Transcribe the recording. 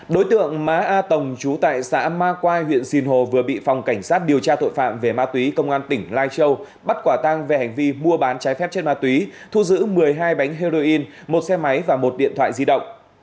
đối tượng má a tồng trú tại xã ma quai huyện sinh hồ vừa bị phòng cảnh sát điều tra tội phạm về ma túy công an tỉnh lai châu bắt quả tang về hành vi mua bán trái phép chất ma túy thu giữ một mươi hai bánh heroin một xe máy và một điện thoại di động